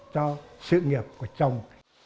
cho sự nghiệp của chồng